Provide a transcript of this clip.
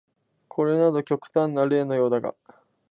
これなど極端な例のようだが、